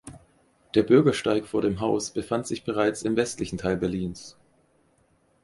Der Bürgersteig vor dem Haus befand sich bereits im westlichen Teil Berlins.